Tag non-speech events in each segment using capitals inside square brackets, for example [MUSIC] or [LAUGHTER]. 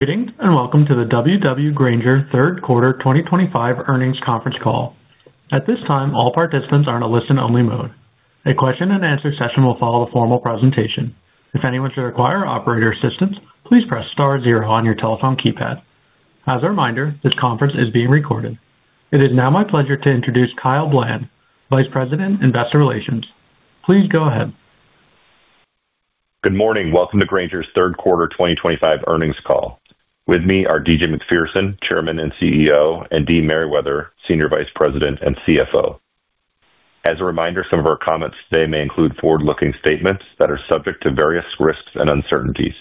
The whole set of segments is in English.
Good evening and welcome to the W.W. Grainger Third Quarter 2025 Earnings Conference Call. At this time, all participants are in a listen-only mode. A question-and-answer session will follow the formal presentation. If anyone should require operator assistance, please press star zero on your telephone keypad. As a reminder, this conference is being recorded. It is now my pleasure to introduce Kyle Bland, Vice President, Investor Relations. Please go ahead. Good morning. Welcome to Grainger's third quarter 2025 earnings call. With me are D.G. Macpherson, Chairman and CEO, and Dee Merriwether, Senior Vice President and CFO. As a reminder, some of our comments today may include forward-looking statements that are subject to various risks and uncertainties.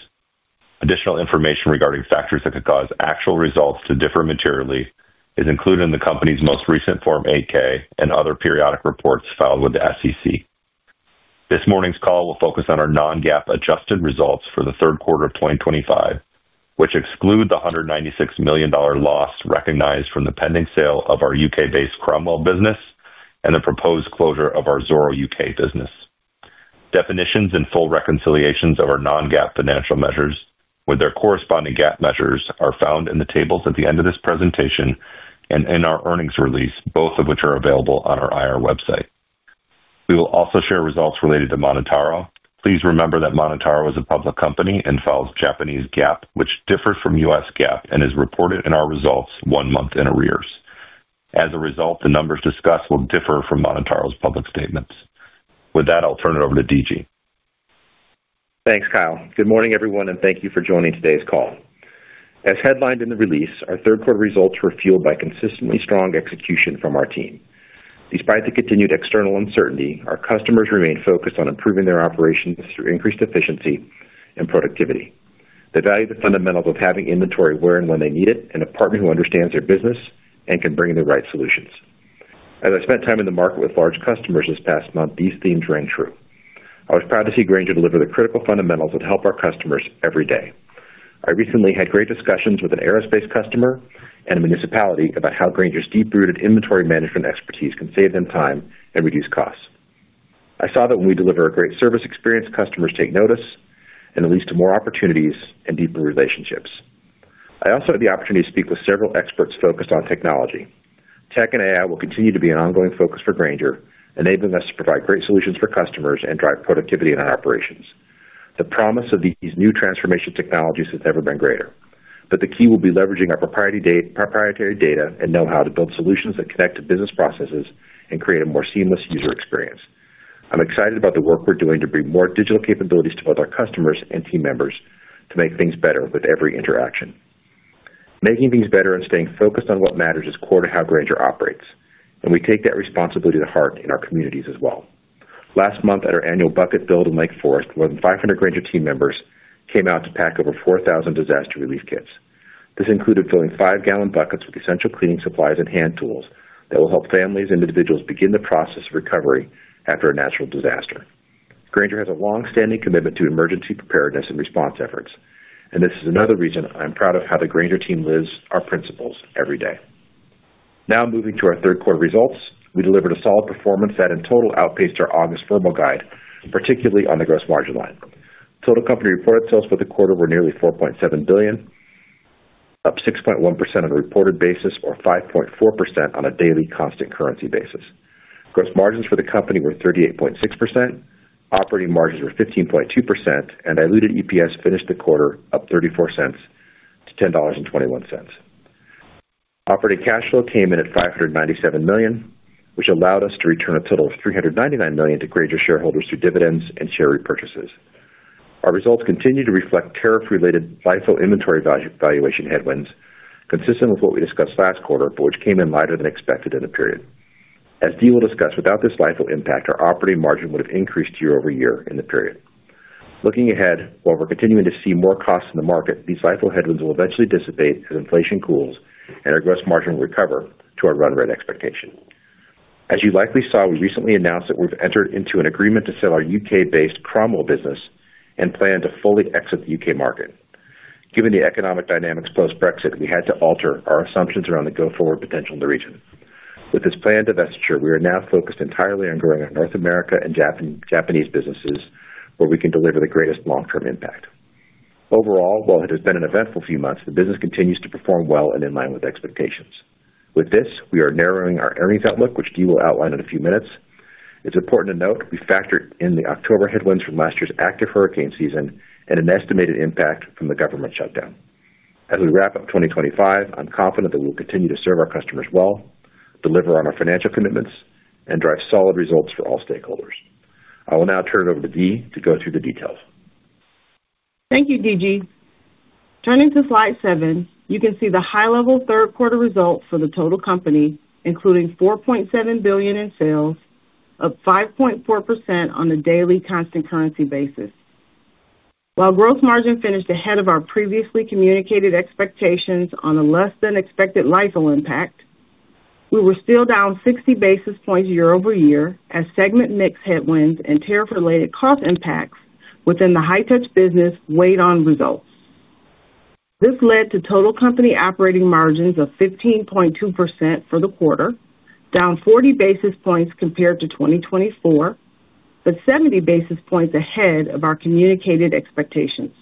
Additional information regarding factors that could cause actual results to differ materially is included in the company's most recent Form 8-K and other periodic reports filed with the SEC. This morning's call will focus on our non-GAAP adjusted results for the third quarter of 2025, which exclude the $196 million loss recognized from the pending sale of our U.K.-based Cromwell business and the proposed closure of our Zoro U.K. business. Definitions and full reconciliations of our non-GAAP financial measures with their corresponding GAAP measures are found in the tables at the end of this presentation and in our earnings release, both of which are available on our IR website. We will also share results related to MonotaRO. Please remember that MonotaRO is a public company and follows Japanese GAAP, which differs from U.S. GAAP and is reported in our results one month in arrears. As a result, the numbers discussed will differ from MonotaRO's public statements. With that, I'll turn it over to D.G. Thanks, Kyle. Good morning, everyone, and thank you for joining today's call. As headlined in the release, our third quarter results were fueled by consistently strong execution from our team. Despite the continued external uncertainty, our customers remain focused on improving their operations through increased efficiency and productivity. They value the fundamentals of having inventory where and when they need it, and a partner who understands their business and can bring the right solutions. As I spent time in the market with large customers this past month, these themes rang true. I was proud to see Grainger deliver the critical fundamentals that help our customers every day. I recently had great discussions with an aerospace customer and a municipality about how Grainger's deep-rooted inventory management expertise can save them time and reduce costs. I saw that when we deliver a great service experience, customers take notice and lead to more opportunities and deeper relationships. I also had the opportunity to speak with several experts focused on technology. Tech and AI will continue to be an ongoing focus for Grainger, enabling us to provide great solutions for customers and drive productivity in our operations. The promise of these new transformation technologies has never been greater, but the key will be leveraging our proprietary data and know-how to build solutions that connect to business processes and create a more seamless user experience. I'm excited about the work we're doing to bring more digital capabilities to both our customers and team members to make things better with every interaction. Making things better and staying focused on what matters is core to how Grainger operates, and we take that responsibility to heart in our communities as well. Last month, at our annual bucket build in Lake Forest, more than 500 Grainger team members came out to pack over 4,000 disaster relief kits. This included filling five-gallon buckets with essential cleaning supplies and hand tools that will help families and individuals begin the process of recovery after a natural disaster. Grainger has a long-standing commitment to emergency preparedness and response efforts, and this is another reason I'm proud of how the Grainger team lives our principles every day. Now moving to our third quarter results, we delivered a solid performance that in total outpaced our August formal guide, particularly on the gross margin line. Total company reported sales for the quarter were nearly $4.7 billion, up 6.1% on a reported basis or 5.4% on a daily constant currency basis. Gross margins for the company were 38.6%, operating margins were 15.2%, and diluted EPS finished the quarter up $0.34 to $10.21. Operating cash flow came in at $597 million, which allowed us to return a total of $399 million to Grainger shareholders through dividends and share repurchases. Our results continue to reflect tariff-related LIFO inventory valuation headwinds, consistent with what we discussed last quarter, but which came in lighter than expected in the period. As Dee will discuss, without this LIFO impact, our operating margin would have increased year over year in the period. Looking ahead, while we're continuing to see more costs in the market, these LIFO headwinds will eventually dissipate as inflation cools and our gross margin will recover to our run rate expectation. As you likely saw, we recently announced that we've entered into an agreement to sell our U.K.-based Cromwell business and plan to fully exit the U.K. market. Given the economic dynamics post-Brexit, we had to alter our assumptions around the go-forward potential in the region. With this plan to divest, we are now focused entirely on growing our North America and Japanese businesses, where we can deliver the greatest long-term impact. Overall, while it has been an eventful few months, the business continues to perform well and in line with expectations. With this, we are narrowing our earnings outlook, which Dee will outline in a few minutes. It's important to note we factor in the October headwinds from last year's active hurricane season and an estimated impact from the government shutdown. As we wrap up 2025, I'm confident that we'll continue to serve our customers well, deliver on our financial commitments, and drive solid results for all stakeholders. I will now turn it over to Dee to go through the details. Thank you, D.G. Turning to slide seven, you can see the high-level third quarter results for the total company, including $4.7 billion in sales, up 5.4% on a daily constant currency basis. While gross margin finished ahead of our previously communicated expectations on a less-than-expected LIFO impact, we were still down 60 basis points year over year as segment mix headwinds and tariff-related cost impacts within the high-touch business weighed on results. This led to total company operating margins of 15.2% for the quarter, down 40 basis points compared to 2023, but 70 basis points ahead of our communicated expectations.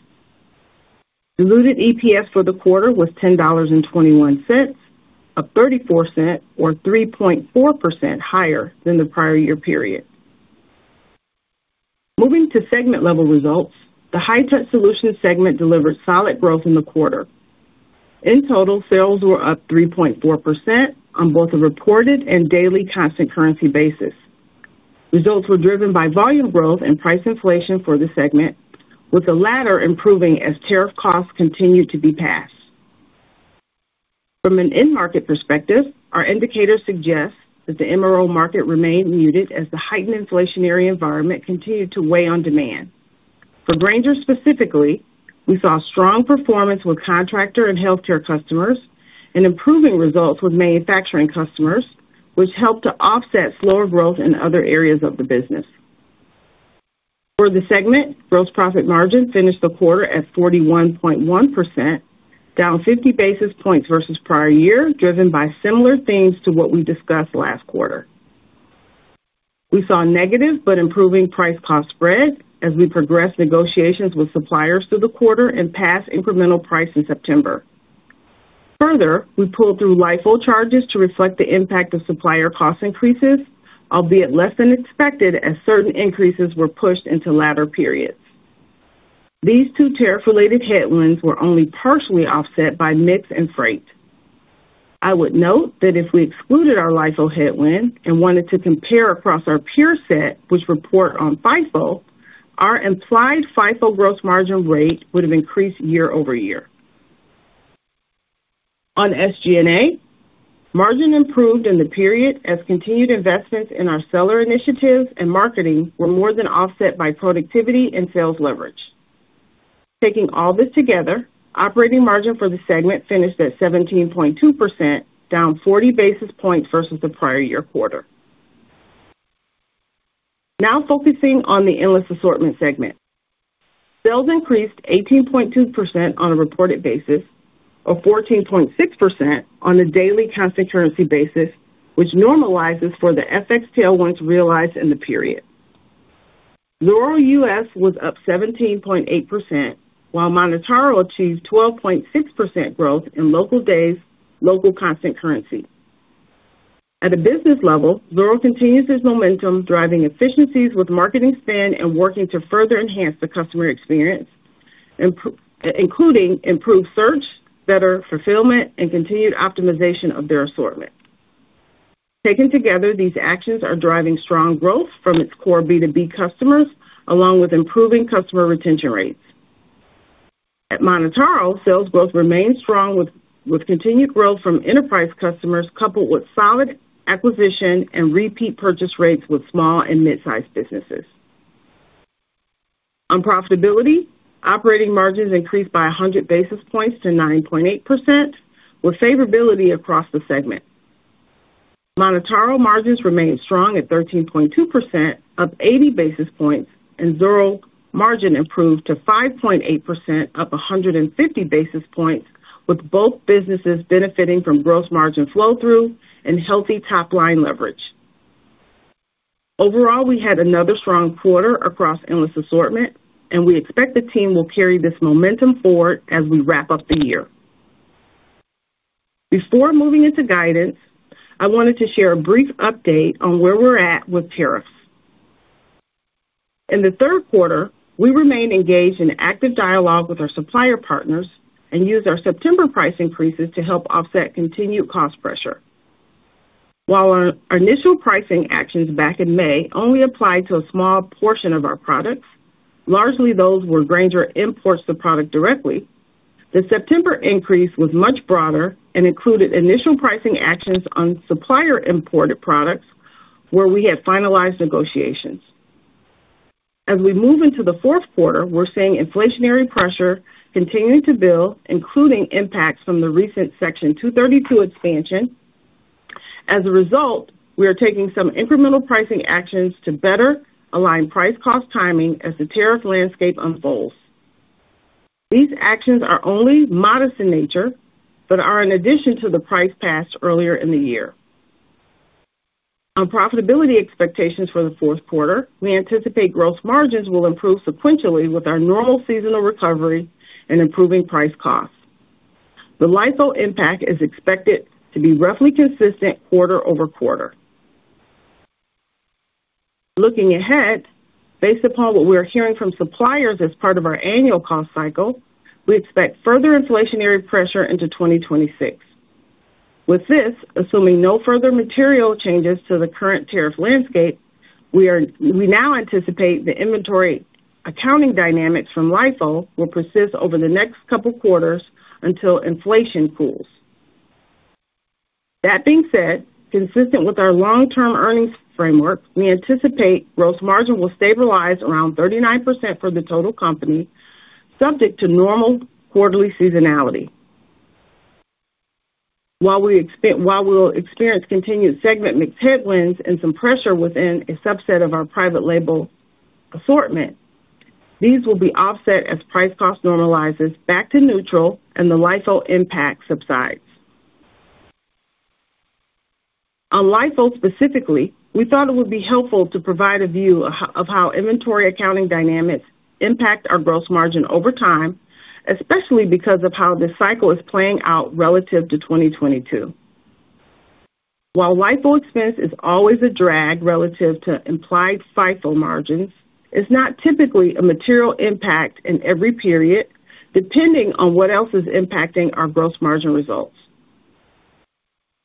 Diluted EPS for the quarter was $10.21, $0.34 or 3.4% higher than the prior year period. Moving to segment-level results, the high-touch solution segment delivered solid growth in the quarter. In total, sales were up 3.4% on both a reported and daily constant currency basis. Results were driven by volume growth and price inflation for the segment, with the latter improving as tariff costs continued to be passed. From an in-market perspective, our indicators suggest that the MRO market remained muted as the heightened inflationary environment continued to weigh on demand. For Grainger specifically, we saw strong performance with contractor and healthcare customers and improving results with manufacturing customers, which helped to offset slower growth in other areas of the business. For the segment, gross profit margin finished the quarter at 41.1%, down 50 basis points versus prior year, driven by similar themes to what we discussed last quarter. We saw negative but improving price cost spread as we progressed negotiations with suppliers through the quarter and passed incremental price in September. Further, we pulled through LIFO charges to reflect the impact of supplier cost increases, albeit less than expected as certain increases were pushed into latter periods. These two tariff-related headwinds were only partially offset by mix and freight. I would note that if we excluded our LIFO headwind and wanted to compare across our peer set, which report on FIFO, our implied FIFO gross margin rate would have increased year over year. On SG&A, margin improved in the period as continued investments in our seller initiatives and marketing were more than offset by productivity and sales leverage. Taking all this together, operating margin for the segment finished at 17.2%, down 40 basis points versus the prior year quarter. Now focusing on the Endless Assortment segment. Sales increased 18.2% on a reported basis or 14.6% on a daily constant currency basis, which normalizes for the FX tailwinds realized in the period. Zoro U.S. was up 17.8%, while MonotaRO achieved 12.6% growth in local days, local constant currency. At a business level, Zoro continues its momentum, driving efficiencies with marketing spend and working to further enhance the customer experience, including improved search, better fulfillment, and continued optimization of their assortment. Taken together, these actions are driving strong growth from its core B2B customers, along with improving customer retention rates. At MonotaRO, sales growth remains strong with continued growth from enterprise customers, coupled with solid acquisition and repeat purchase rates with small and mid-sized businesses. On profitability, operating margins increased by 100 basis points to 9.8%, with favorability across the segment. MonotaRO margins remained strong at 13.2%, up 80 basis points, and Zoro margin improved to 5.8%, up 150 basis points, with both businesses benefiting from gross margin flow-through and healthy top-line leverage. Overall, we had another strong quarter across Endless Assortment, and we expect the team will carry this momentum forward as we wrap up the year. Before moving into guidance, I wanted to share a brief update on where we're at with tariffs. In the third quarter, we remained engaged in active dialogue with our supplier partners and used our September price increases to help offset continued cost pressure. While our initial pricing actions back in May only applied to a small portion of our products, largely those where Grainger imports the product directly, the September increase was much broader and included initial pricing actions on supplier-imported products where we had finalized negotiations. As we move into the fourth quarter, we're seeing inflationary pressure continuing to build, including impacts from the recent Section 232 expansion. As a result, we are taking some incremental pricing actions to better align price cost timing as the tariff landscape unfolds. These actions are only modest in nature, but are in addition to the price passed earlier in the year. On profitability expectations for the fourth quarter, we anticipate gross margins will improve sequentially with our normal seasonal recovery and improving price costs. The LIFO impact is expected to be roughly consistent quarter over quarter. Looking ahead, based upon what we are hearing from suppliers as part of our annual cost cycle, we expect further inflationary pressure into 2026. With this, assuming no further material changes to the current tariff landscape, we now anticipate the inventory accounting dynamics from LIFO will persist over the next couple of quarters until inflation cools. That being said, consistent with our long-term earnings framework, we anticipate gross margin will stabilize around 39% for the total company, subject to normal quarterly seasonality. While we will experience continued segment mix headwinds and some pressure within a subset of our private label assortment, these will be offset as price cost normalizes back to neutral and the LIFO impact subsides. On LIFO specifically, we thought it would be helpful to provide a view of how inventory accounting dynamics impact our gross margin over time, especially because of how this cycle is playing out relative to 2022. While LIFO expense is always a drag relative to implied FIFO margins, it's not typically a material impact in every period, depending on what else is impacting our gross margin results.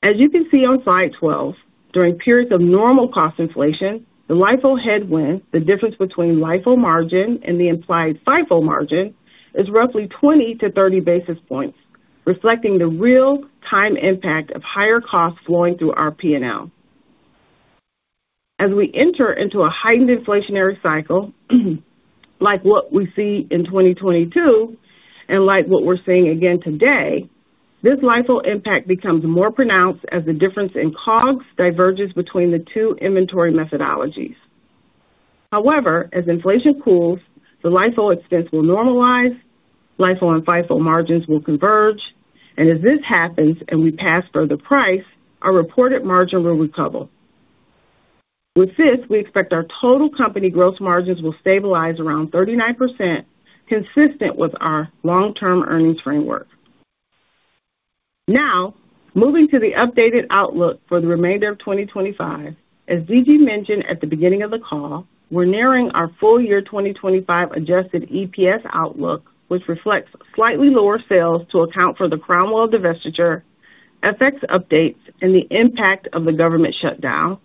As you can see on slide 12, during periods of normal cost inflation, the LIFO headwind, the difference between LIFO margin and the implied FIFO margin, is roughly 20 to 30 basis points, reflecting the real-time impact of higher costs flowing through our P&L. As we enter into a heightened inflationary cycle like what we see in 2022, and like what we're seeing again today, this LIFO impact becomes more pronounced as the difference in COGS diverges between the two inventory methodologies. However, as inflation cools, the LIFO expense will normalize, LIFO and FIFO margins will converge, and as this happens and we pass further price, our reported margin will recover. With this, we expect our total company gross margins will stabilize around 39%, consistent with our long-term earnings framework. Now, moving to the updated outlook for the remainder of 2025, as D.G mentioned at the beginning of the call, we're nearing our full year 2025 adjusted EPS outlook, which reflects slightly lower sales to account for the Cromwell divestiture, FX updates, and the impact of the government shutdown,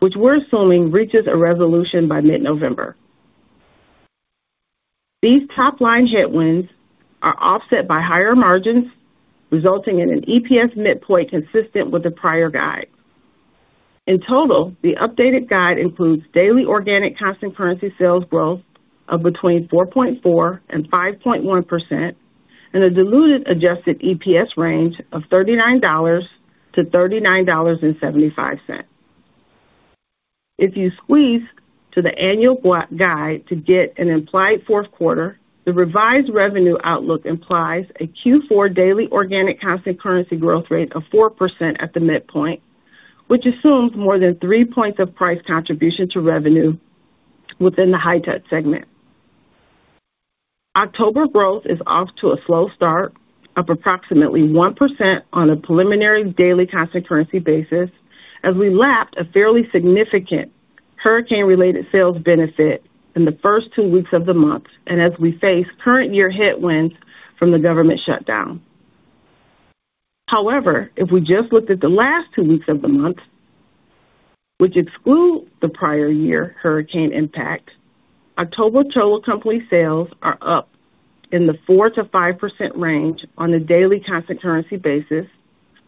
which we're assuming reaches a resolution by mid-November. These top-line headwinds are offset by higher margins, resulting in an EPS midpoint consistent with the prior guide. In total, the updated guide includes daily organic constant currency sales growth of between 4.4% and 5.1%, and a diluted adjusted EPS range of $39.00 to $39.75. If you squeeze to the annual guide to get an implied fourth quarter, the revised revenue outlook implies a Q4 daily organic constant currency growth rate of 4% at the midpoint, which assumes more than 3 points of price contribution to revenue within the high-touch segment. October growth is off to a slow start of approximately 1% on a preliminary daily constant currency basis as we lapped a fairly significant hurricane-related sales benefit in the first two weeks of the month and as we face current year headwinds from the government shutdown. However, if we just looked at the last two weeks of the month, which exclude the prior year hurricane impact, October total company sales are up in the 4% to 5% range on a daily constant currency basis,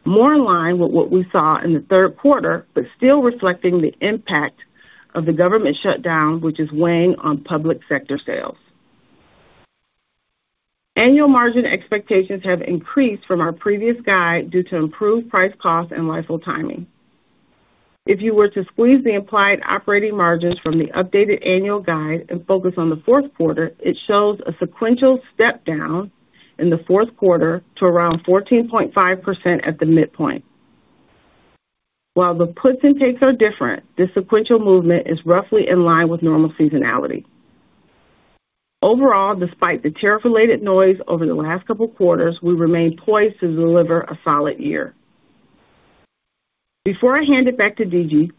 more in line with what we saw in the third quarter, but still reflecting the impact of the government shutdown, which is weighing on public sector sales. Annual margin expectations have increased from our previous guide due to improved price costs and LIFO timing. If you were to squeeze the implied operating margins from the updated annual guide and focus on the fourth quarter, it shows a sequential step down in the fourth quarter to around 14.5% at the midpoint. While the puts and takes are different, this sequential movement is roughly in line with normal seasonality. Overall, despite the tariff-related noise over the last couple of quarters, we remain poised to deliver a solid year. Before I hand it back to D.G,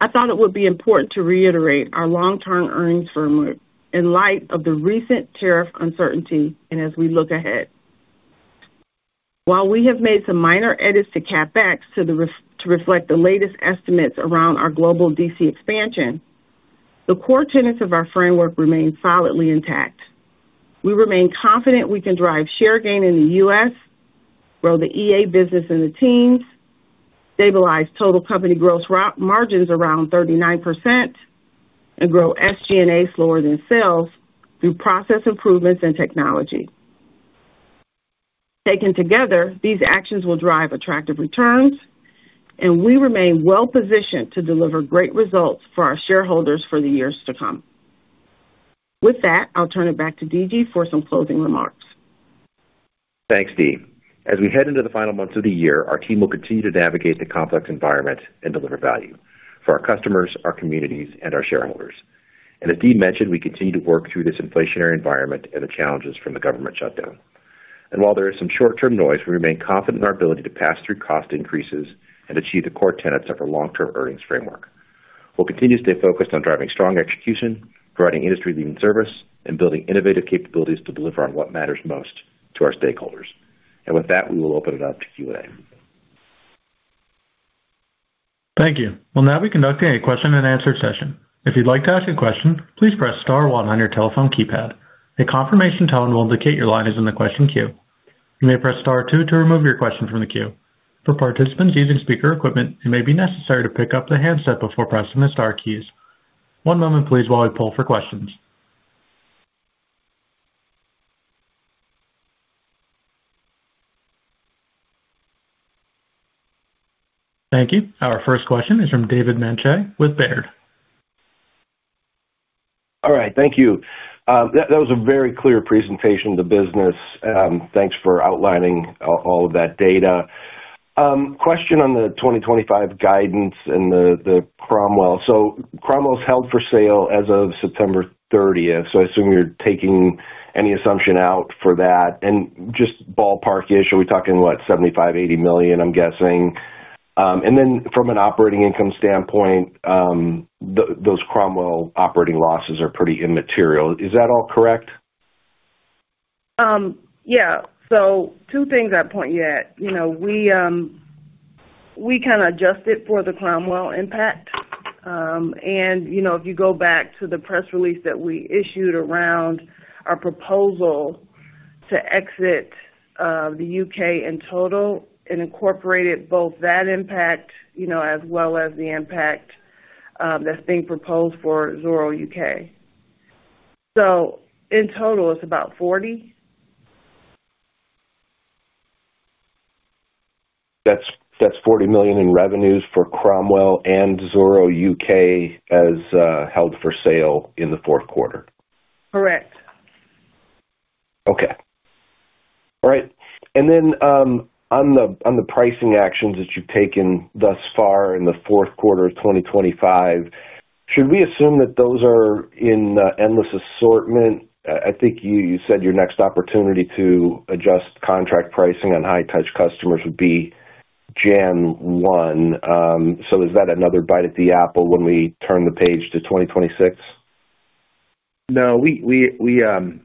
I thought it would be important to reiterate our long-term earnings framework in light of the recent tariff uncertainty and as we look ahead. While we have made some minor edits to CapEx to reflect the latest estimates around our global DC expansion, the core tenets of our framework remain solidly intact. We remain confident we can drive share gain in the U.S., grow the EA business in the teens, stabilize total company gross margins around 39%, and grow SG&A slower than sales through process improvements and technology. Taken together, these actions will drive attractive returns, and we remain well-positioned to deliver great results for our shareholders for the years to come. With that, I'll turn it back to D.G for some closing remarks. Thanks, Dee. As we head into the final months of the year, our team will continue to navigate the complex environment and deliver value for our customers, our communities, and our shareholders. As Dee mentioned, we continue to work through this inflationary environment and the challenges from the government shutdown. While there is some short-term noise, we remain confident in our ability to pass through cost increases and achieve the core tenets of our long-term earnings framework. We'll continue to stay focused on driving strong execution, providing industry-leading service, and building innovative capabilities to deliver on what matters most to our stakeholders. With that, we will open it up to Q&A. Thank you. We'll now be conducting a question-and-answer session. If you'd like to ask a question, please press Star 1 on your telephone keypad. A confirmation tone will indicate your line is in the question queue. You may press Star 2 to remove your question from the queue. For participants using speaker equipment, it may be necessary to pick up the handset before pressing the Star keys. One moment, please, while we pull for questions. Thank you. Our first question is from David Manthey with Baird. All right. Thank you. That was a very clear presentation of the business. Thanks for outlining all of that data. Question on the 2025 guidance and the Cromwell. So Cromwell's held for sale as of September 30, so I assume you're taking any assumption out for that. Just ballpark-ish, are we talking, what, $75 million, $80 million, I'm guessing? Then from an operating income standpoint, those Cromwell operating losses are pretty immaterial. Is that all correct? Yeah. Two things I'd point you at. We adjusted for the Cromwell impact. If you go back to the press release that we issued around our proposal to exit the U.K. in total, it incorporated both that impact as well as the impact that's being proposed for Zoro U.K.. In total, it's about $40 million. That's $40 million in revenues for Cromwell and Zoro U.K. as held for sale in the fourth quarter. Correct. Okay. All right. On the pricing actions that you've taken thus far in the fourth quarter of 2025, should we assume that those are in Endless Assortment? I think you said your next opportunity to adjust contract pricing on high-touch customers would be January 1. Is that another bite at the apple when we turn the page to 2026? No.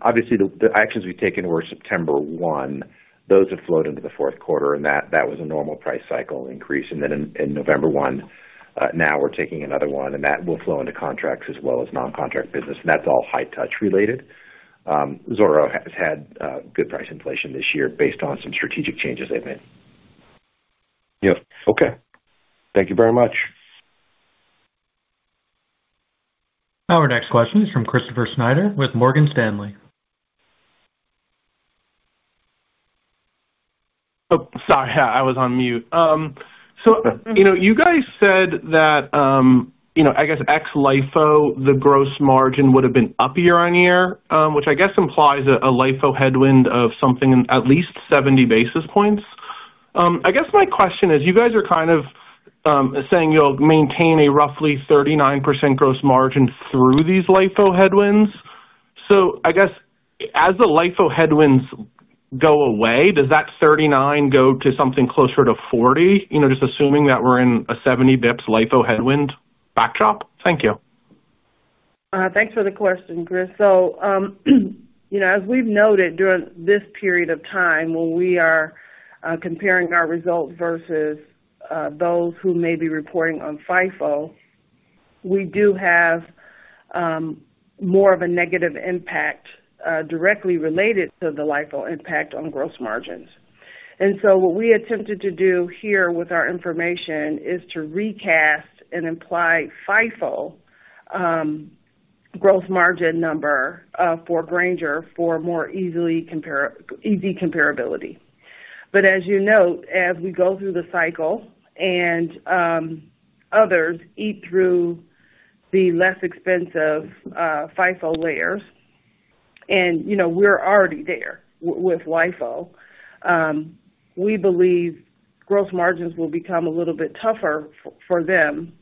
Obviously, the actions we've taken were September 1. Those have flowed into the fourth quarter, and that was a normal price cycle increase. Then on November 1, now we're taking another one, and that will flow into contracts as well as non-contract business. That's all high-touch related. Zoro has had good price inflation this year based on some strategic changes they've made. Yep. Okay. Thank you very much. Our next question is from Christopher Snyder with Morgan Stanley. Sorry. I was on mute. You guys said that, I guess, ex-LIFO, the gross margin would have been up year on year, which I guess implies a LIFO headwind of something at least 70 basis points. My question is, you guys are kind of saying you'll maintain a roughly 39% gross margin through these LIFO headwinds. As the LIFO headwinds go away, does that 39% go to something closer to 40%, just assuming that we're in a 70-bps LIFO headwind backdrop? Thank you. Thanks for the question, Chris. As we've noted during this period of time when we are comparing our results versus those who may be reporting on FIFO, we do have more of a negative impact directly related to the LIFO impact on gross margins. What we attempted to do here with our information is to recast and imply a FIFO gross margin number for Grainger for more easy comparability. As you note, as we go through the cycle and others eat through the less expensive FIFO layers, and we're already there with LIFO, we believe gross margins will become a little bit tougher for them.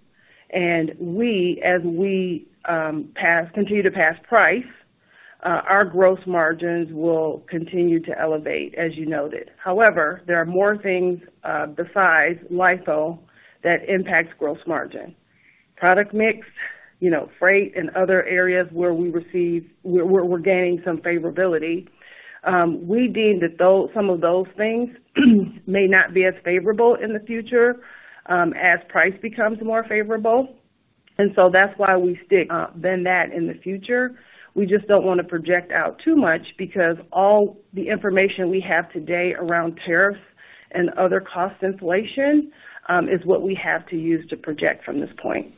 As we continue to pass price, our gross margins will continue to elevate, as you noted. However, there are more things besides LIFO that impact gross margin: product mix, freight, and other areas where we're gaining some favorability. We deem that some of those things may not be as favorable in the future as price becomes more favorable. That's why we stick to that in the future. We just don't want to project out too much because all the information we have today around tariffs and other cost inflation is what we have to use to project from this point.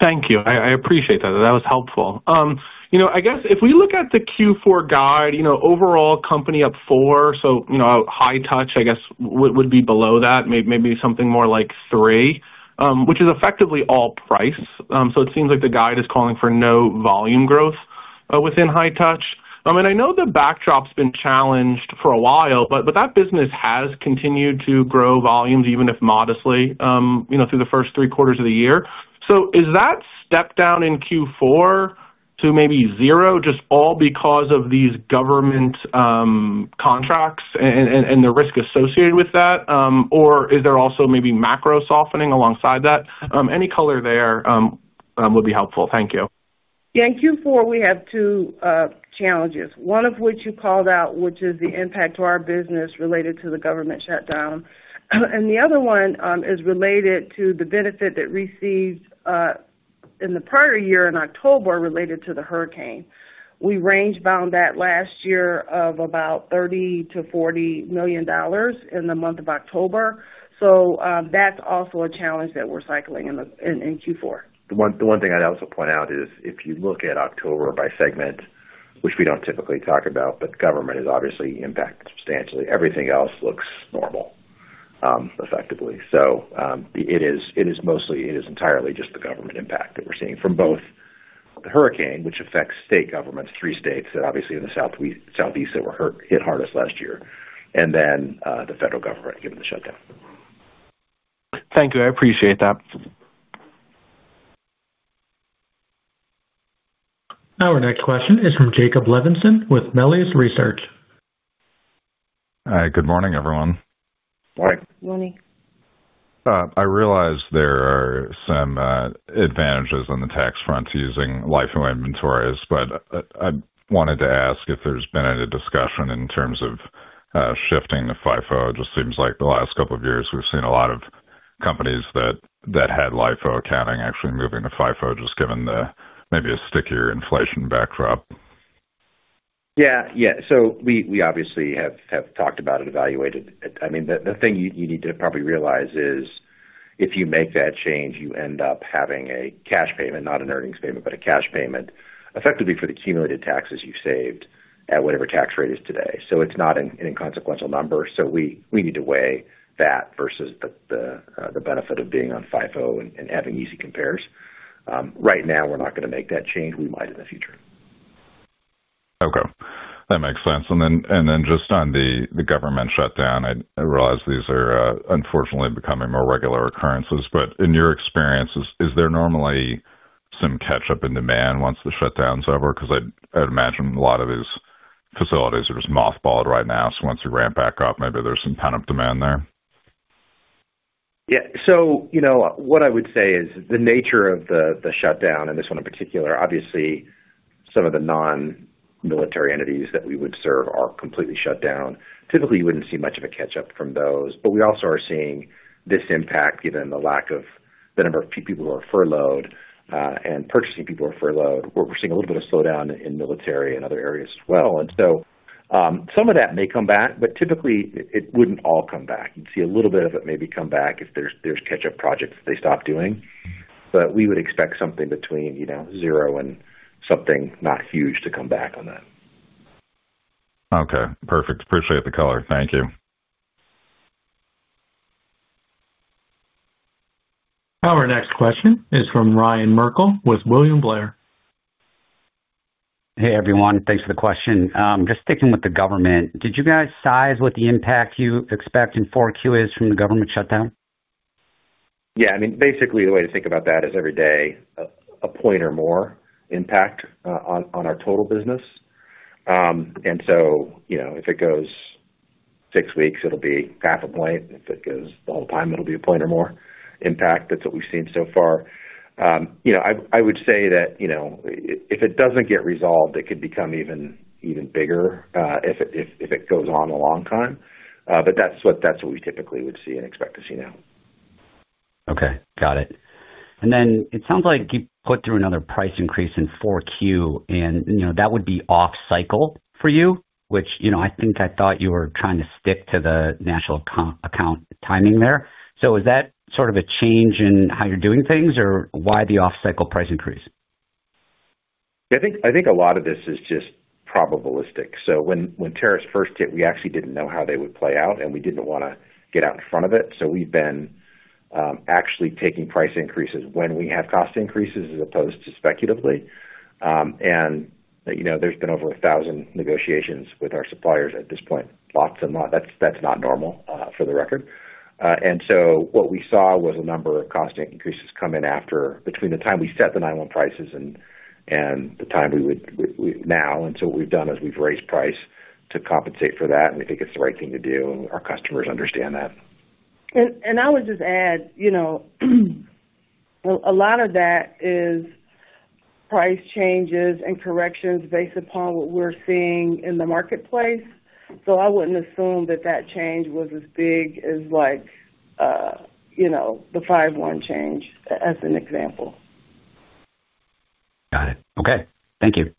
Thank you. I appreciate that. That was helpful. If we look at the Q4 guide, overall company up 4, so high-touch, I guess, would be below that, maybe something more like 3, which is effectively all price. It seems like the guide is calling for no volume growth within high touch. I know the backdrop's been challenged for a while, but that business has continued to grow volumes, even if modestly, through the first three quarters of the year. Is that step down in Q4 to maybe zero just all because of these government contracts and the risk associated with that, or is there also maybe macro softening alongside that? Any color there would be helpful. Thank you. In Q4, we have two challenges, one of which you called out, which is the impact to our business related to the government shutdown. The other one is related to the benefit that we received in the prior year in October related to the hurricane. We range bound that last year at about $30 million to $40 million in the month of October. That's also a challenge that we're cycling in Q4. The one thing I'd also point out is, if you look at October by segment, which we don't typically talk about, government is obviously impacted substantially. Everything else looks normal, effectively. It is entirely just the government impact that we're seeing from both the hurricane, which affects state governments, three states obviously in the southeast that were hit hardest last year, and then the federal government given the shutdown. Thank you. I appreciate that. Our next question is from Jacob Levinson with Melius Research. Good morning, everyone. Good morning. I realize there are some advantages on the tax front to using LIFO inventories, but I wanted to ask if there's been any discussion in terms of shifting to FIFO. It just seems like the last couple of years we've seen a lot of companies that had LIFO accounting actually moving to FIFO, just given maybe a stickier inflation backdrop. Yeah. We obviously have talked about it, evaluated it. The thing you need to probably realize is, if you make that change, you end up having a cash payment, not an earnings payment, but a cash payment, effectively for the cumulated taxes you've saved at whatever tax rate is today. It's not an inconsequential number. We need to weigh that versus the benefit of being on FIFO and having easy compares. Right now, we're not going to make that change. We might in the future. Okay. That makes sense. Just on the government shutdown, I realize these are unfortunately becoming more regular occurrences. In your experience, is there normally some catch-up in demand once the shutdown's over? I'd imagine a lot of these facilities are just mothballed right now. Once we ramp back up, maybe there's some pent-up demand there. Yeah. What I would say is the nature of the shutdown, and this one in particular, obviously, some of the non-military entities that we would serve are completely shut down. Typically, you wouldn't see much of a catch-up from those. We also are seeing this impact given the lack of the number of people who are furloughed and purchasing people who are furloughed. We're seeing a little bit of a slowdown in military and other areas as well. Some of that may come back, but typically, it wouldn't all come back. You'd see a little bit of it maybe come back if there's catch-up projects that they stop doing. We would expect something between zero and something not huge to come back on that. Okay. Perfect. Appreciate the color. Thank you. Our next question is from Ryan Merkel with William Blair. Hey, everyone. Thanks for the question. Just sticking with the government, did you guys size what the impact you expect in 4Q as from the government shutdown? Yeah. I mean, basically, the way to think about that is every day, a point or more impact on our total business. If it goes six weeks, it'll be half a point. If it goes the whole time, it'll be a point or more impact. That's what we've seen so far. I would say that if it doesn't get resolved, it could become even bigger, if it goes on a long time. That's what we typically would see and expect to see now. Okay. Got it. It sounds like you put through another price increase in 4Q, and that would be off-cycle for you, which I think I thought you were trying to stick to the national account timing there. Is that sort of a change in how you're doing things or why the off-cycle price increase? Yeah. I think a lot of this is just probabilistic. When tariffs first hit, we actually didn't know how they would play out, and we didn't want to get out in front of it. We've been actually taking price increases when we have cost increases as opposed to speculatively. There's been over 1,000 negotiations with our suppliers at this point, lots and lots. That's not normal for the record. What we saw was a number of cost increases come in between the time we set the 911 prices and the time we would now. What we've done is we've raised price to compensate for that, and we think it's the right thing to do. Our customers understand that. I would just add a lot of that is price changes and corrections based upon what we're seeing in the marketplace. I wouldn't assume that that change was as big as the 5-1 change as an example. Got it. Okay. Thank you.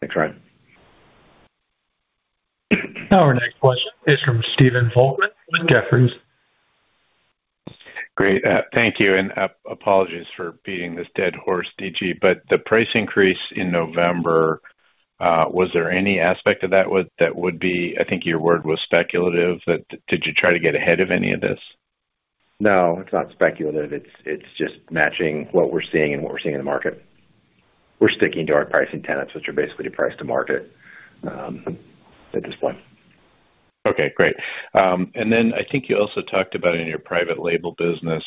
Thanks, Ryan. Our next question is from Stephen Volk with Jefferies. Great. Thank you. Apologies for beating this dead horse, D.G., but the price increase in November, was there any aspect of that that would be—I think your word was speculative—did you try to get ahead of any of this? No. It's not speculative. It's just matching what we're seeing and what we're seeing in the market. We're sticking to our pricing tenets, which are basically price to market at this point. Okay. Great. I think you also talked about in your private label business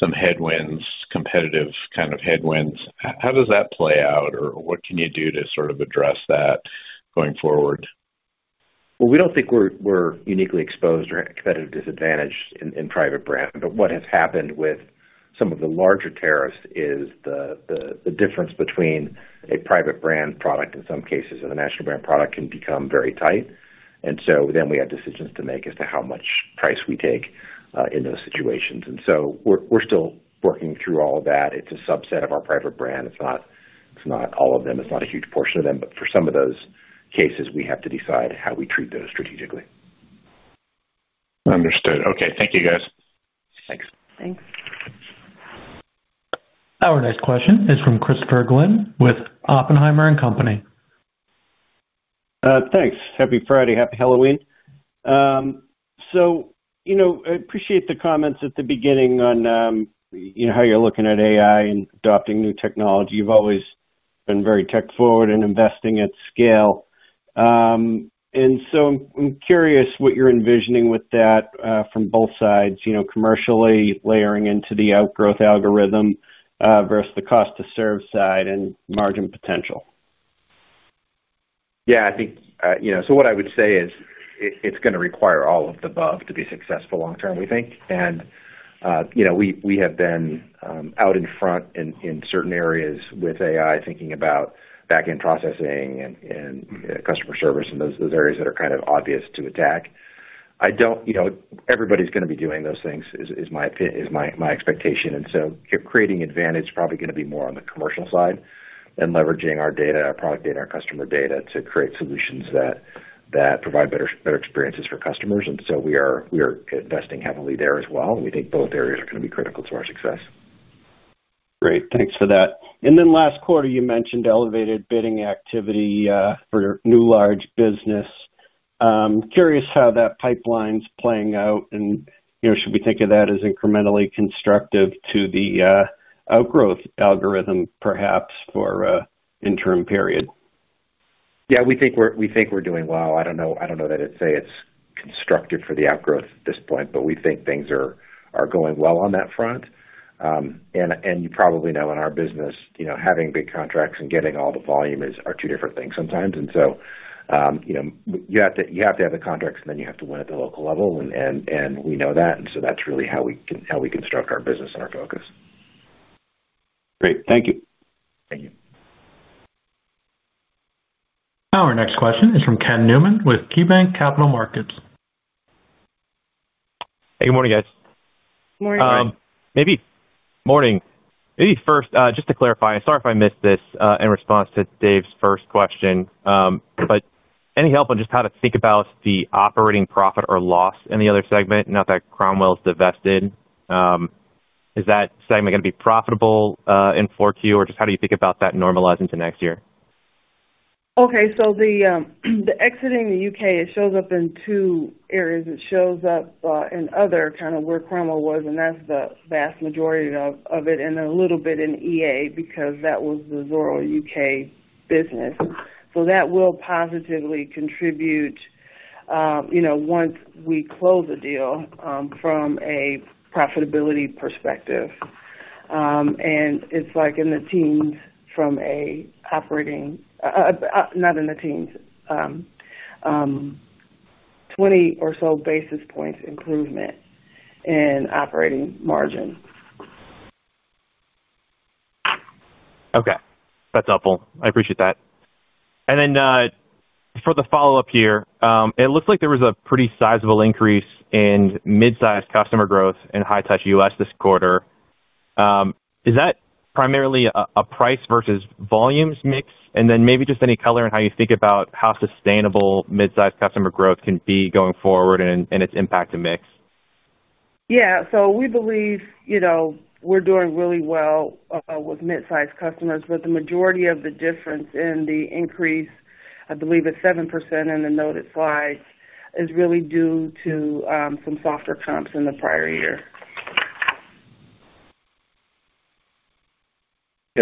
some headwinds, competitive kind of headwinds. How does that play out, or what can you do to sort of address that going forward? We don't think we're uniquely exposed or at a competitive disadvantage in private brand. What has happened with some of the larger tariffs is the difference between a private brand product in some cases and a national brand product can become very tight. We have decisions to make as to how much price we take in those situations. We're still working through all of that. It's a subset of our private brand. It's not all of them. It's not a huge portion of them. For some of those cases, we have to decide how we treat those strategically. Understood. Okay. Thank you, guys. Thanks. Our next question is from Christopher Glynn with Oppenheimer & Company. Thanks. Happy Friday. Happy Halloween. I appreciate the comments at the beginning on how you're looking at AI and adopting new technology. You've always been very tech-forward and investing at scale. I'm curious what you're envisioning with that from both sides, commercially layering into the outgrowth algorithm versus the cost-to-serve side and margin potential. I think what I would say is it's going to require all of the above to be successful long-term, we think. We have been out in front in certain areas with AI, thinking about back-end processing and customer service and those areas that are kind of obvious to attack. Everybody's going to be doing those things is my expectation. Creating advantage is probably going to be more on the commercial side and leveraging our data, our product data, and our customer data to create solutions that provide better experiences for customers. We are investing heavily there as well, and we think both areas are going to be critical to our success. Great. Thanks for that. Last quarter, you mentioned elevated bidding activity for new large business. Curious how that pipeline's playing out. Should we think of that as incrementally constructive to the outgrowth algorithm, perhaps, for interim period? Yeah. We think we're doing well. I don't know that I'd say it's constructive for the outgrowth at this point, but we think things are going well on that front. You probably know in our business, having big contracts and getting all the volume are two different things sometimes. You have to have the contracts, and then you have to win at the local level. We know that, and that's really how we construct our business and our focus. Great. Thank you. Thank you. Our next question is from Ken Newman with KeyBanc Capital Markets. Hey. Good morning, guys. Good morning. Maybe first, just to clarify, sorry if I missed this in response to Dave's first question, but any help on just how to think about the operating profit or loss in the other segment, not that Cromwell's divested? Is that segment going to be profitable in fourth quarter, or just how do you think about that normalizing to next year? Okay. Exiting the U.K. shows up in two areas. It shows up in other, kind of where Cromwell was, and that's the vast majority of it, and a little bit in EA because that was the Zoro U.K. business. That will positively contribute once we close a deal from a profitability perspective. It's like in the teens from an operating—not in the teens, 20 or so basis points improvement in operating margin. Okay. That's helpful. I appreciate that. For the follow-up here, it looks like there was a pretty sizable increase in mid-size customer growth in high-touch U.S. this quarter. Is that primarily a price versus volumes mix? Maybe just any color in how you think about how sustainable mid-size customer growth can be going forward and its impact to mix. Yeah. We believe we're doing really well with mid-size customers. The majority of the difference in the increase, I believe it's 7% in the noted slides, is really due to some softer comps in the prior year.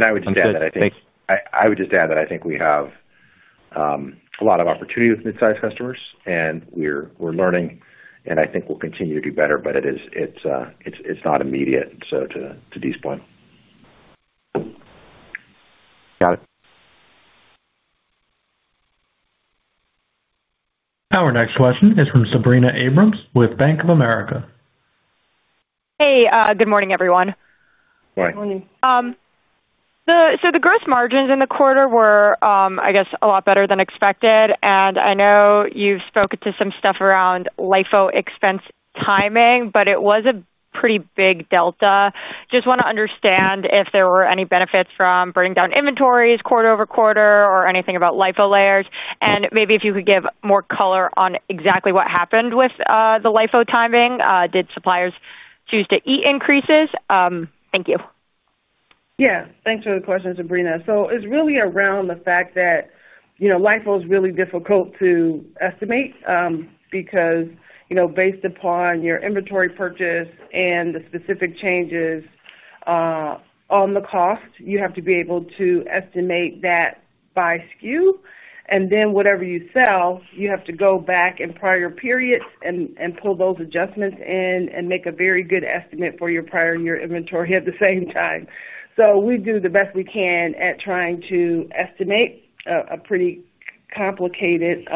I would just add that I think we have a lot of opportunity with mid-size customers, and we're learning. I think we'll continue to do better, but it's not immediate, so to Dee's point. Got it. Our next question is from Sabrina Abrams with Bank of America. Hey. Good morning, everyone. Morning. The gross margins in the quarter were, I guess, a lot better than expected. I know you've spoken to some stuff around LIFO expense timing, but it was a pretty big delta. Just want to understand if there were any benefits from burning down inventories quarter over quarter or anything about LIFO layers. Maybe if you could give more color on exactly what happened with the LIFO timing. Did suppliers choose to eat increases? Thank you. Yeah. Thanks for the question, Sabrina. It's really around the fact that LIFO is really difficult to estimate because based upon your inventory purchase and the specific changes on the cost, you have to be able to estimate that by SKU. Then whatever you sell, you have to go back in prior periods and pull those adjustments in and make a very good estimate for your prior year inventory at the same time. We do the best we can at trying to estimate a pretty complicated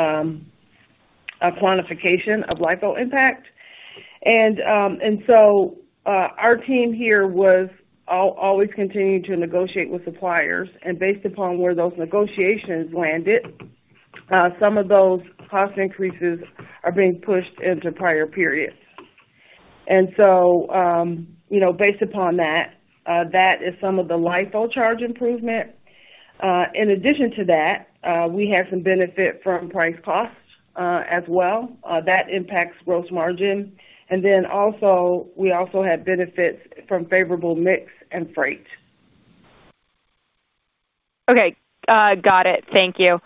quantification of LIFO impact. Our team here was always continuing to negotiate with suppliers, and based upon where those negotiations landed, some of those cost increases are being pushed into prior periods. Based upon that, that is some of the LIFO charge improvement. In addition to that, we had some benefit from price cost as well. That impacts gross margin. We also had benefits from favorable mix and freight. Okay. Got it. Thank you.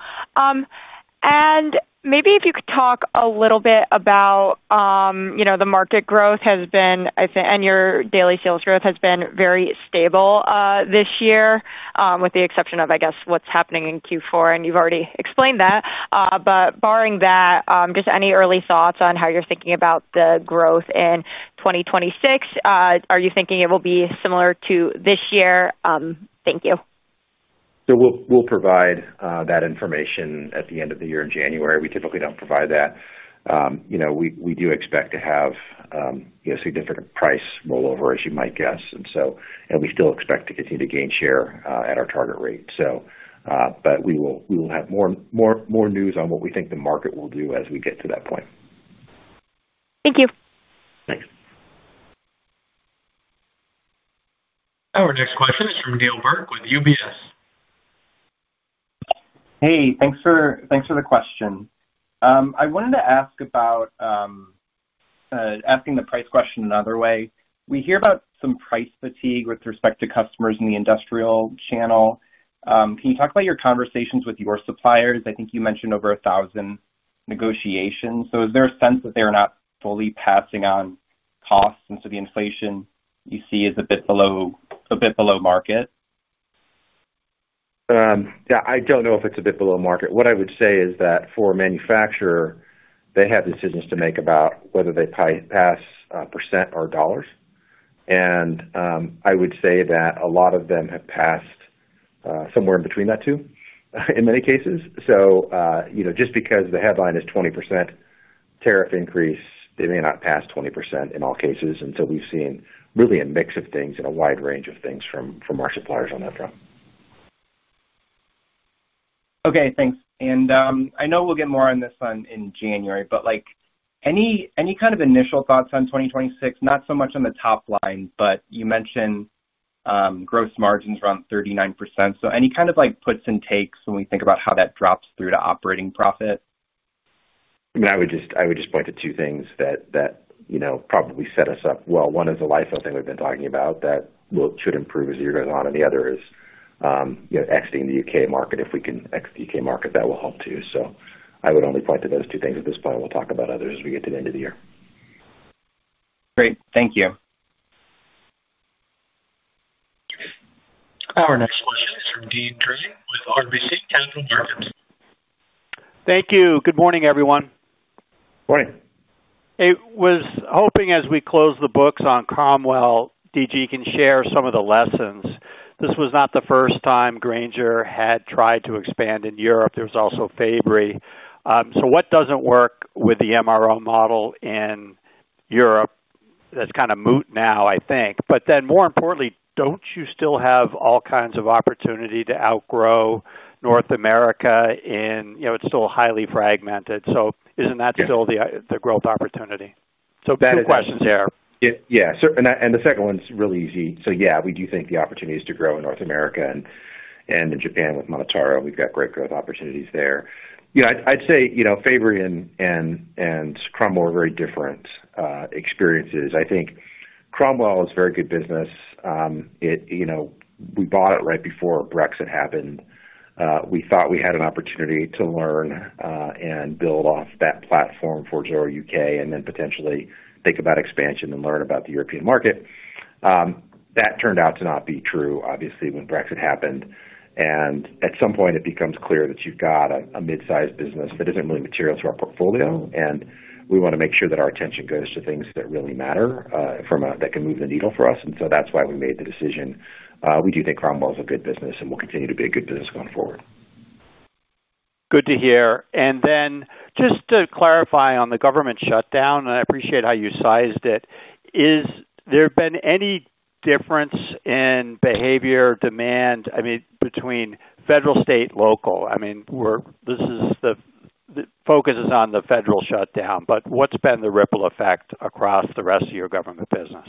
Maybe if you could talk a little bit about the market growth and your daily sales growth has been very stable this year, with the exception of, I guess, what's happening in Q4. You've already explained that. Barring that, just any early thoughts on how you're thinking about the growth in 2026? Are you thinking it will be similar to this year? Thank you. We'll provide that information at the end of the year in January. We typically don't provide that. We do expect to have a significant price rollover, as you might guess. We still expect to continue to gain share at our target rate. We will have more news on what we think the market will do as we get to that point. Thank you. Thanks. Our next question is from Neil Burke with UBS. Hey. Thanks for the question. I wanted to ask about asking the price question another way. We hear about some price fatigue with respect to customers in the industrial channel. Can you talk about your conversations with your suppliers? I think you mentioned over 1,000 negotiations. Is there a sense that they're not fully passing on costs, and the inflation you see is a bit below market? Yeah. I don't know if it's a bit below market. What I would say is that for a manufacturer, they have decisions to make about whether they pass percent or dollars. I would say that a lot of them have passed somewhere in between that too in many cases. Just because the headline is 20% tariff increase, they may not pass 20% in all cases. We have seen really a mix of things and a wide range of things from our suppliers on that front. Okay. Thanks. I know we'll get more on this one in January, but any kind of initial thoughts on 2026? Not so much on the top line, but you mentioned gross margins around 39%. Any kind of puts and takes when we think about how that drops through to operating profit? I would just point to two things that probably set us up well. One is the LIFO thing we've been talking about that should improve as the year goes on. The other is exiting the U.K. market. If we can exit the U.K. market, that will help too. I would only point to those two things at this point. We'll talk about others as we get to the end of the year. Great. Thank you. Our next question is from Deane Dray with RBC Capital Markets. Thank you. Good morning, everyone. Morning. Hey. I was hoping as we close the books on Cromwell, D.G., can share some of the lessons. This was not the first time Grainger had tried to expand in Europe. There was also Fabory. What doesn't work with the MRO model in Europe? That's kind of moot now, I think. More importantly, don't you still have all kinds of opportunity to outgrow North America? It's still highly fragmented. Isn't that still the growth opportunity? Good questions there. Yeah. The second one's really easy. We do think the opportunity is to grow in North America and in Japan with MonotaRO. We've got great growth opportunities there. I'd say Fabory and Cromwell are very different experiences. I think Cromwell is a very good business. We bought it right before Brexit happened. We thought we had an opportunity to learn and build off that platform for Zoro U.K. and then potentially think about expansion and learn about the European market. That turned out to not be true, obviously, when Brexit happened. At some point, it becomes clear that you've got a mid-size business that isn't really material to our portfolio. We want to make sure that our attention goes to things that really matter that can move the needle for us. That's why we made the decision. We do think Cromwell is a good business, and will continue to be a good business going forward. Good to hear. Just to clarify on the government shutdown, and I appreciate how you sized it, has there been any difference in behavior, demand, between federal, state, local? The focus is on the federal shutdown, but what's been the ripple effect across the rest of your government business?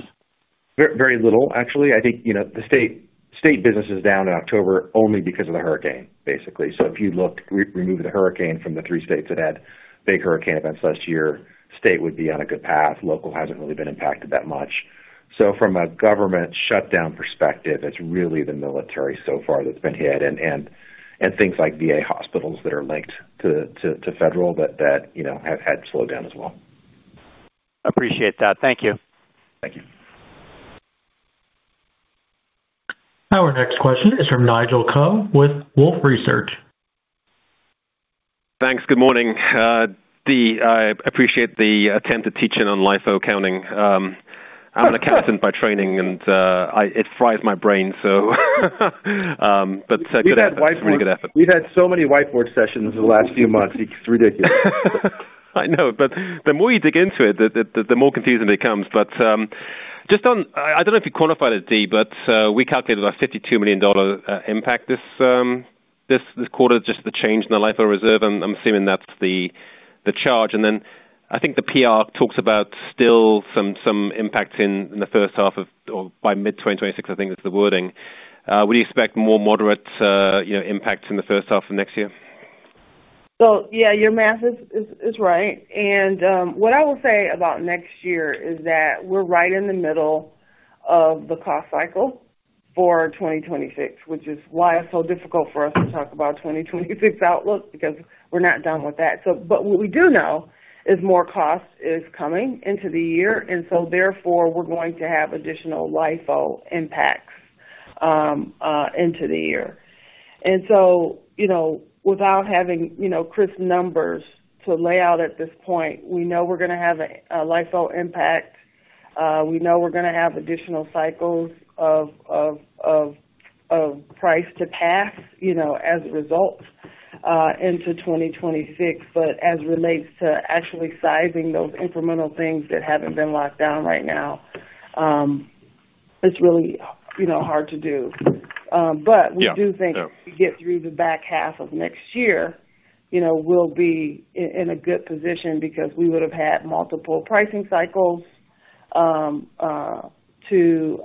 Very little, actually. I think the state business is down in October only because of the hurricane, basically. If you remove the hurricane from the three states that had big hurricane events last year, state would be on a good path. Local hasn't really been impacted that much. From a government shutdown perspective, it's really the military so far that's been hit and things like VA hospitals that are linked to federal that have had slowed down as well. Appreciate that. Thank you. Thank you. Our next question is from Nigel Coe with Wolfe Research. Thanks. Good morning. I appreciate the attempt to teach in on LIFO accounting. I'm an accountant by training, and it fries my brain. Good effort. [CROSSTALK] We've had so many whiteboard sessions in the last few months. It's ridiculous. The more you dig into it, the more confusing it becomes. I don't know if you qualify it as deep, but we calculated about $52 million impact this quarter, just the change in the LIFO reserve. I'm assuming that's the charge. I think the PR talks about still some impact in the first half of or by mid-2026, I think is the wording. Would you expect more moderate impact in the first half of next year? Yeah, your math is right. What I will say about next year is that we're right in the middle of the cost cycle for 2026, which is why it's so difficult for us to talk about 2026 outlook because we're not done with that. What we do know is more cost is coming into the year. Therefore, we're going to have additional LIFO impacts into the year. Without having crisp numbers to lay out at this point, we know we're going to have a LIFO impact. We know we're going to have additional cycles of price to pass as a result into 2026. As it relates to actually sizing those incremental things that haven't been locked down right now, it's really hard to do. We do think if we get through the back half of next year, we'll be in a good position because we would have had multiple pricing cycles to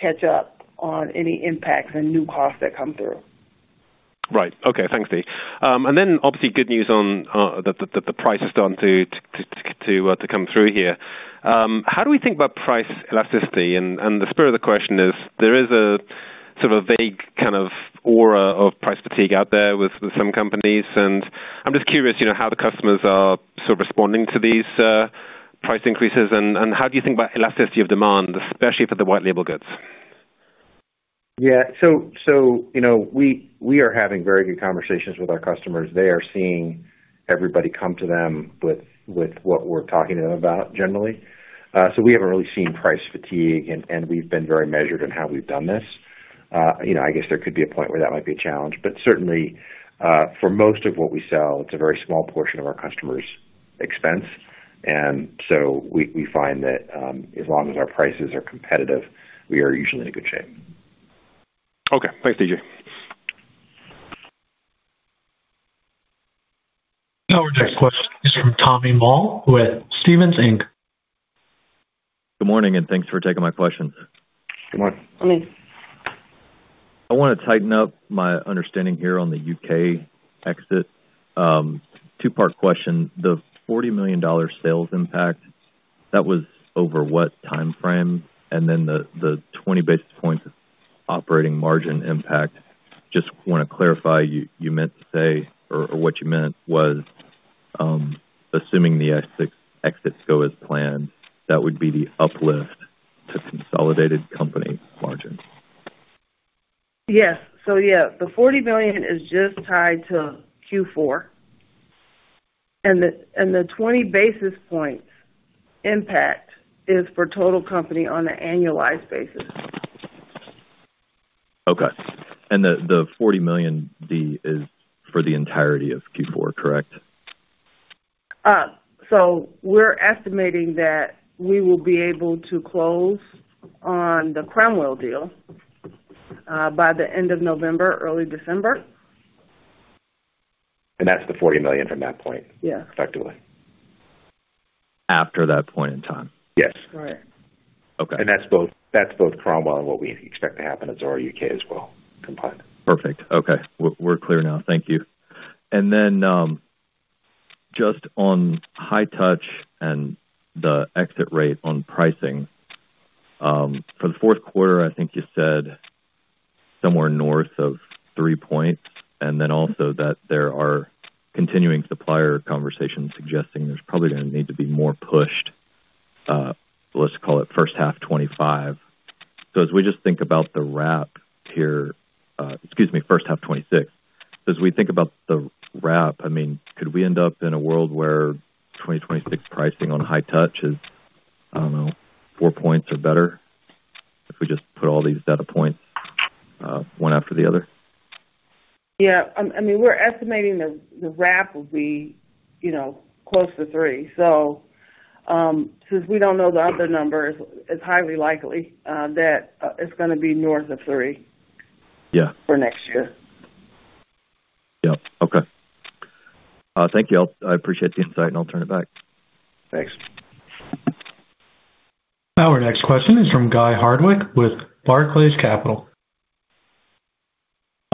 catch up on any impacts and new costs that come through. Right. Okay. Thanks, Dee. Obviously, good news on the price has started to come through here. How do we think about price elasticity? The further of the question is, there is a sort of vague kind of aura of price fatigue out there with some companies. I'm just curious how the customers are sort of responding to these price increases. How do you think about elasticity of demand, especially for the white label goods? Yeah. We are having very good conversations with our customers. They are seeing everybody come to them with what we're talking to them about generally. We haven't really seen price fatigue, and we've been very measured in how we've done this. I guess there could be a point where that might be a challenge. Certainly, for most of what we sell, it's a very small portion of our customers' expense. We find that as long as our prices are competitive, we are usually in good shape. Okay. Thanks, D.G. Our next question is from Tommy Moll with Stephens Inc. Good morning, and thanks for taking my questions. Good morning. I want to tighten up my understanding here on the U.K. exit. Two-part question. The $40 million sales impact, that was over what timeframe? The 20 basis points operating margin impact, just want to clarify you meant to say or what you meant was, assuming the exits go as planned, that would be the uplift to consolidated company margin. Yes. The $40 million is just tied to Q4, and the 20 basis points impact is for total company on an annualized basis. Okay. The $40 million, Dee, is for the entirety of Q4, correct? We're estimating that we will be able to close on the Cromwell deal by the end of November, early December. That's the $40 million from that point? Yes. Effectively. After that point in time? Yes. Right. That's both Cromwell and what we expect to happen at Zoro U.K. as well. Perfect. Okay. We're clear now. Thank you. Just on high touch and the exit rate on pricing for the fourth quarter, I think you said somewhere north of 3 points. There are continuing supplier conversations suggesting there's probably going to need to be more pushed, let's call it first half 2026. As we think about the wrap, could we end up in a world where 2026 pricing on high touch is, I don't know, 4 points or better if we just put all these data points one after the other? Yeah. We're estimating the wrap will be close to 3. Since we don't know the other numbers, it's highly likely that it's going to be north of 3 for next year. Yep. Okay. Thank you. I appreciate the insight, and I'll turn it back. Thanks. Our next question is from Guy Hardwick with Barclays Capital.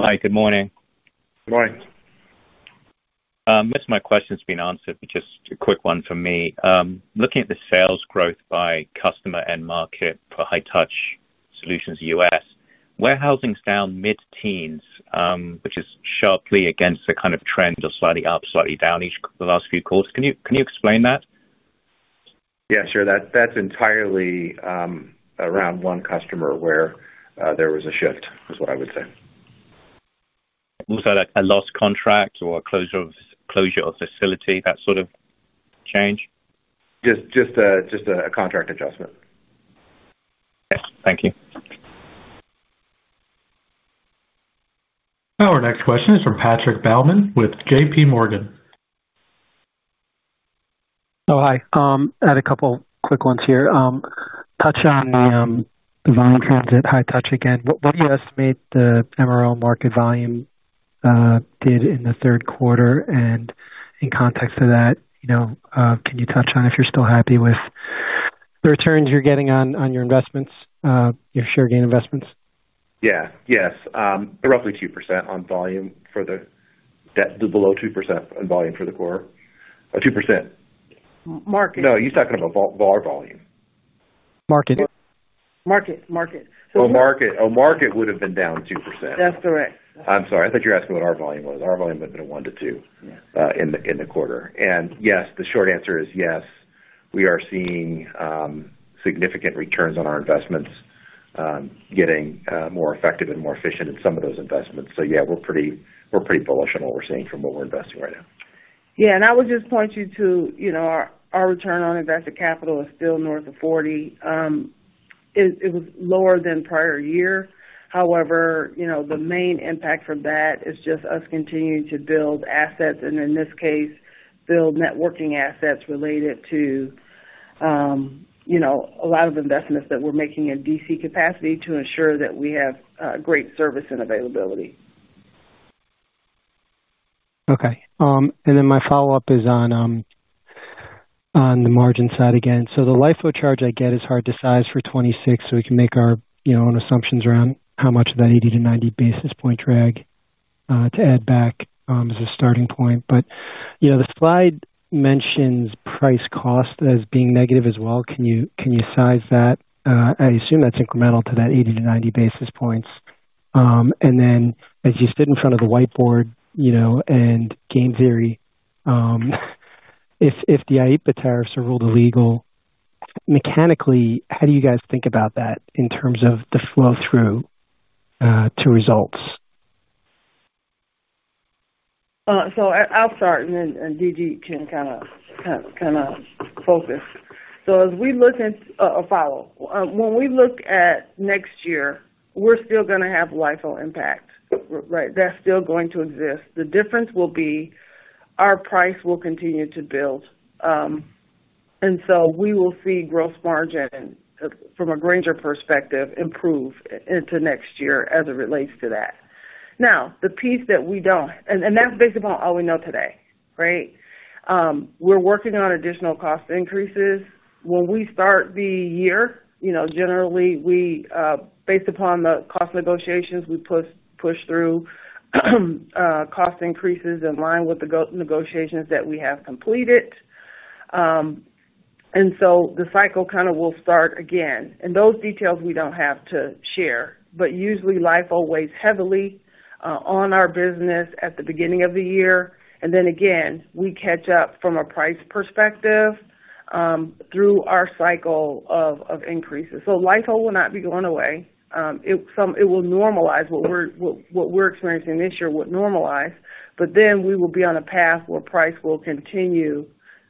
Hi. Good morning. Good morning. Most of my questions, to be honest, are just a quick one for me. Looking at the sales growth by customer and market for high-touch solutions in the U.S., warehousing is down mid-teens, which is sharply against the kind of trend of slightly up, slightly down each of the last few quarters. Can you explain that? Yeah. Sure. That's entirely around one customer where there was a shift, is what I would say. Was that a lost contract or a closure of facility, that sort of change? Just a contract adjustment. Yes. Thank you. Our next question is from Patrick Baumann with JPMorgan. Hi. I had a couple of quick ones here. Touch on the volume transit, high touch again. What do you estimate the MRO market volume did in the third quarter? In context of that, can you touch on if you're still happy with the returns you're getting on your investments, your share gain investments? Yes. Roughly 2% on volume for the—below 2% on volume for the quarter. 2%. [CROSSTALK] Market. No, you're talking about our volume. Market. Oh, market. Oh, market would have been down 2%. That's correct. I'm sorry. I thought you were asking what our volume was. Our volume would have been a 1% to 2% in the quarter. Yes, the short answer is yes. We are seeing significant returns on our investments, getting more effective and more efficient in some of those investments. We're pretty bullish on what we're seeing from what we're investing right now. I would just point you to our return on invested capital is still north of 40. It was lower than prior year. However, the main impact from that is just us continuing to build assets, and in this case, build networking assets related to a lot of investments that we're making in DC capacity to ensure that we have great service and availability. Okay. My follow-up is on the margin side again. The LIFO charge, I get, is hard to size for 2026, so we can make our own assumptions around how much of that 80 to 90 basis point drag to add back as a starting point. The slide mentions price cost as being negative as well. Can you size that? I assume that's incremental to that 80 to 90 basis points. As you stood in front of the whiteboard and Gains Theory, if the IEEPA tariffs are ruled illegal, mechanically, how do you guys think about that in terms of the flow through to results? I'll start, and then D.G. can focus. As we look at next year, we're still going to have LIFO impact, right? That's still going to exist. The difference will be our price will continue to build, and so we will see gross margin from a Grainger perspective improve into next year as it relates to that. Now, the piece that we don't—and that's based upon all we know today, right? We're working on additional cost increases. When we start the year, generally, based upon the cost negotiations, we push through cost increases in line with the negotiations that we have completed, and so the cycle will start again. Those details we don't have to share, but usually, LIFO weighs heavily on our business at the beginning of the year, and then we catch up from a price perspective through our cycle of increases. LIFO will not be going away. It will normalize what we're experiencing this year, what normalized, but then we will be on a path where price will continue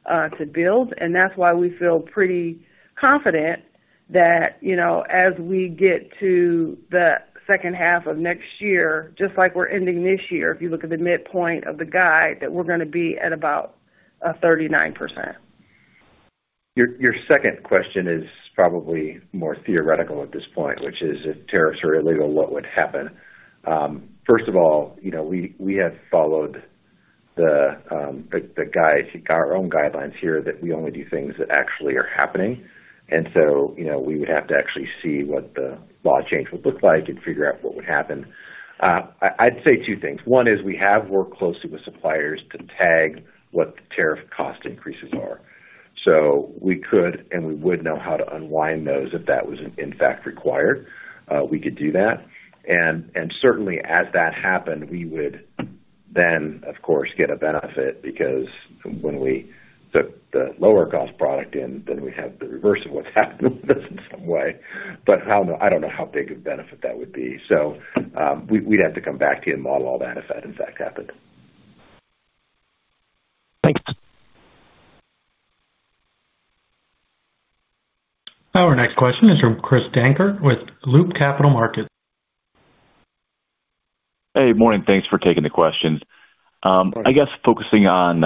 to build. That's why we feel pretty confident that as we get to the second half of next year, just like we're ending this year, if you look at the midpoint of the guide, we're going to be at about 39%. Your second question is probably more theoretical at this point, which is if tariffs are illegal, what would happen? First of all, we have followed the guide, our own guidelines here, that we only do things that actually are happening, and so we would have to actually see what the law change would look like and figure out what would happen. I'd say two things. One is we have worked closely with suppliers to tag what the tariff cost increases are. We could and we would know how to unwind those if that was, in fact, required. We could do that. Certainly, as that happened, we would. Of course, get a benefit because when we took the lower-cost product in, we'd have the reverse of what's happened with us in some way. I don't know how big a benefit that would be. We'd have to come back to you and model all that if that, in fact, happened. Thanks. Our next question is from Chris Danker with Loop Capital Markets. Hey, morning. Thanks for taking the questions. I guess focusing on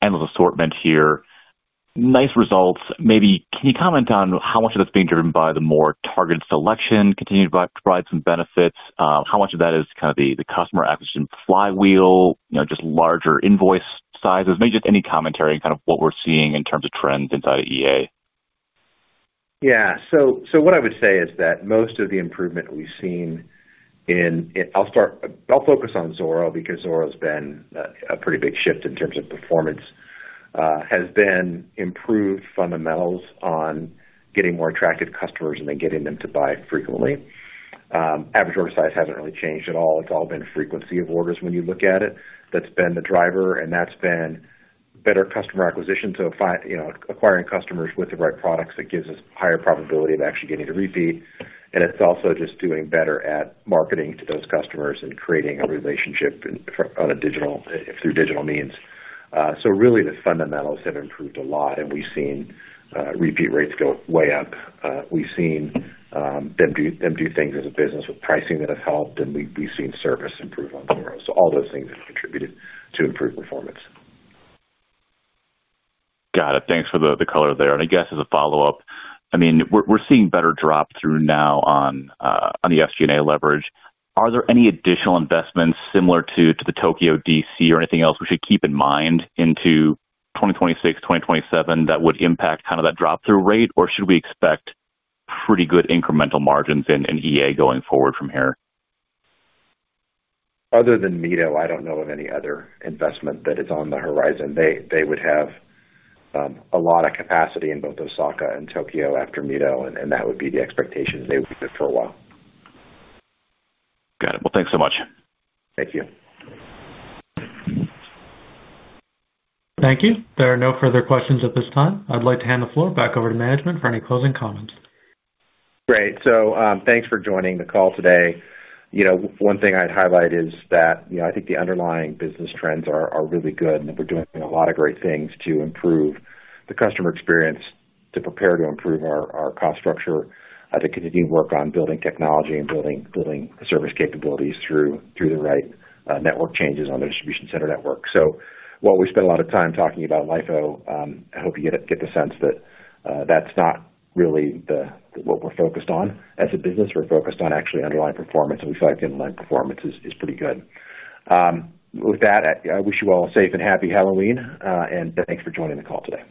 Endless Assortment here. Nice results. Maybe can you comment on how much of that's being driven by the more targeted selection, continuing to provide some benefits? How much of that is kind of the customer acquisition flywheel, just larger invoice sizes? Maybe just any commentary on what we're seeing in terms of trends inside of EA? Yeah. What I would say is that most of the improvement we've seen in—I’ll focus on Zoro because Zoro has been a pretty big shift in terms of performance—has been improved fundamentals on getting more attractive customers and then getting them to buy frequently. Average order size hasn't really changed at all. It's all been frequency of orders when you look at it. That's been the driver. That's been better customer acquisition. Acquiring customers with the right products gives us higher probability of actually getting a repeat. It's also just doing better at marketing to those customers and creating a relationship through digital means. The fundamentals have improved a lot. We've seen repeat rates go way up. We've seen them do things as a business with pricing that have helped. We've seen service improve on Zoro. All those things have contributed to improved performance. Got it. Thanks for the color there. I guess as a follow-up, we're seeing better drop-through now on the SG&A leverage. Are there any additional investments similar to the Tokyo DC or anything else we should keep in mind into 2026, 2027 that would impact that drop-through rate? Or should we expect pretty good incremental margins in EA going forward from here? Other than Meadow, I don't know of any other investment that is on the horizon that would have. A lot of capacity in both Osaka and Tokyo after Meadow, and that would be the expectation they would do for a while. Got it. Thank you so much. Thank you. Thank you. There are no further questions at this time. I'd like to hand the floor back over to management for any closing comments. Great. Thank you for joining the call today. One thing I'd highlight is that I think the underlying business trends are really good, and we're doing a lot of great things to improve the customer experience, to prepare to improve our cost structure, to continue to work on building technology and building service capabilities through the right network changes on the distribution center network. While we spent a lot of time talking about LIFO, I hope you get the sense that that's not really what we're focused on as a business. We're focused on actually underlying performance, and we feel like the underlying performance is pretty good. With that, I wish you all a safe and happy Halloween, and thank you for joining the call today.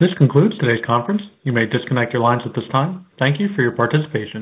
This concludes today's conference. You may disconnect your lines at this time. Thank you for your participation.